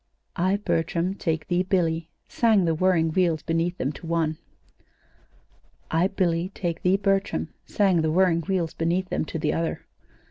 "'I, Bertram, take thee, Billy,'" sang the whirring wheels beneath them, to one. "'I, Billy, take thee, Bertram,'" sang the whirring wheels beneath them, to the other.